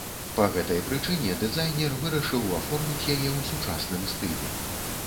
Па гэтай прычыне дызайнер вырашыў аформіць яе ў сучасным стылі.